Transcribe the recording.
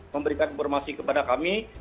memberikan informasi kepada kami